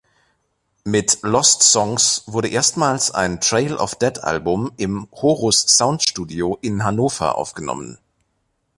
Mit Lost Songs wurde erstmals ein Trail-of-Dead-Album im Horus Sound Studio in Hannover aufgenommen.